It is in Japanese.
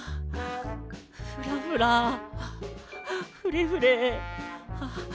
「フラフラ」「フレフレ」。